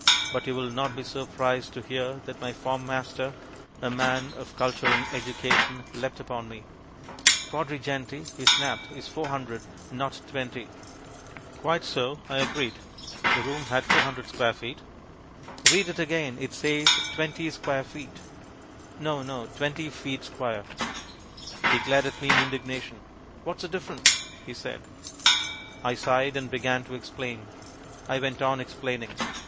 But you will not be surprised to hear that my form master, a man of culture and education, leapt upon me. "Quadringenti," he snapped, "is 400, not 20." "Quite so," I agreed. "The room had 400 square feet." "Read it again. It says 20 square feet." "No, no, 20 feet square." He glared at me in indignation. "What's the difference?" he said. I sighed and began to explain. I went on explaining.